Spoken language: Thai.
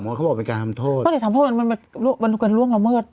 เพราะเขาบอกว่าเป็นการทำโทษไม่ได้ทำโทษมันมันมันเป็นเรื่องละเมิด